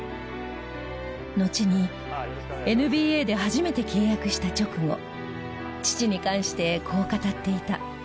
のちにＮＢＡで初めて契約した直後父に関してこう語っていた。